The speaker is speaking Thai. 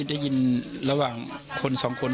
ได้ยินระหว่างคนสองคน